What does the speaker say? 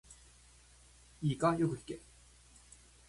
いいか、よく聞け。